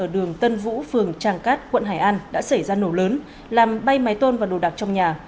ở đường tân vũ phường tràng cát quận hải an đã xảy ra nổ lớn làm bay máy tôn và đồ đạc trong nhà